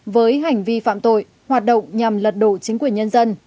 với hành vi phạm tội hoạt động nhằm lật đổ chính quyền nhân dân